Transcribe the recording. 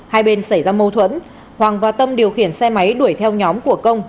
hai bên xảy ra mâu thuẫn hoàng và tâm điều khiển xe máy đuổi theo nhóm của công